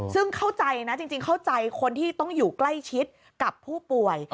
ซึ่งเข้าใจนะจริงเข้าใจคนที่ต้องอยู่ใกล้ชิดกับผู้ป่วย